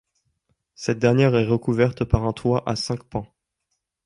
Cette dernière est recouverte par un toit à cinq pans.